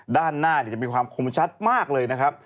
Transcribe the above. ด้านหน้าจะมีความคมชัดมากเลยนะครับ